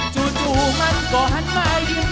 จู่มันก็หันมายืน